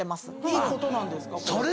いいことなんですか？